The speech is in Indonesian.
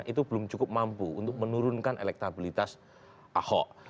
itu belum cukup mampu untuk menurunkan elektabilitas ahok